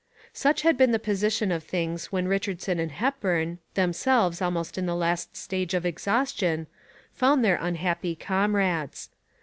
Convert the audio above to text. Such had been the position of things when Richardson and Hepburn, themselves almost in the last stage of exhaustion, found their unhappy comrades.